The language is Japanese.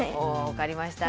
分かりました。